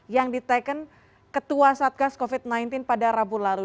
yang diteken ketua satgas covid sembilan belas pada rabu lalu